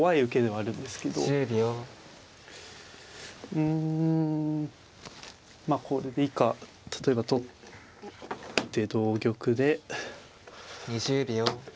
うんこれで以下例えば取って同玉でたたいて。